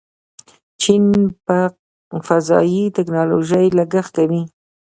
چین په فضایي ټیکنالوژۍ لګښت کوي.